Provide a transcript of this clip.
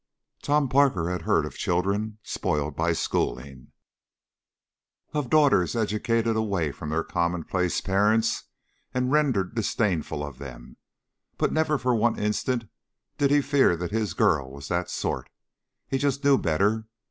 Tom Parker had heard of children spoiled by schooling, of daughters educated away from their commonplace parents and rendered disdainful of them, but never for one instant did he fear that his girl was that sort. He just knew better.